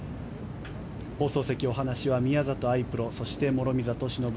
放送席、お話は宮里藍プロそして諸見里しのぶ